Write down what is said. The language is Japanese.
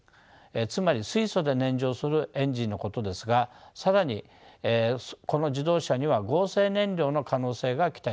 つまり水素で燃焼するエンジンのことですが更にこの自動車には合成燃料の可能性が期待されます。